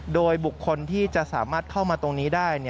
โดยบุคคลที่จะสามารถเข้ามาตรงนี้ได้